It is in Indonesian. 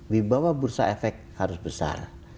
di bawah bursa efek harus besar